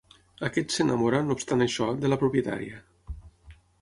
Aquest s'enamora, no obstant això, de la propietària.